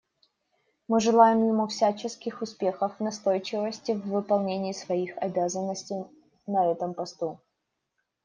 Мы желаем ему всяческих успехов и настойчивости в выполнении своих обязанностей на этом посту.